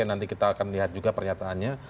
nanti kita akan lihat juga pernyataannya